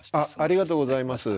ありがとうございます。